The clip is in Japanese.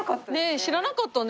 知らなかったね。